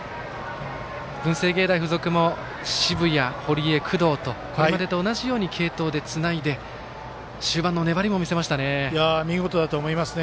文星芸大付属も澁谷、堀江、工藤とここまでと同じように継投でつないで見事だと思いますね。